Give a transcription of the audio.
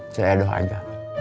saya doh aja